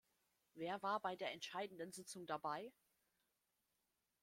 Wer war bei der entscheidenden Sitzung dabei?